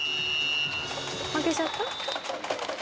負けちゃった？